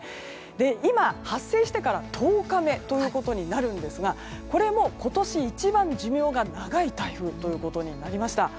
今、発生してから１０日目ということになるんですがこれも今年一番寿命が長い台風となりました。